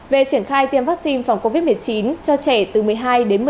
về triển khai tiêm vaccine phòng covid một mươi chín cho trang